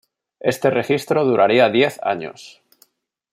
Este registro duraría diez años.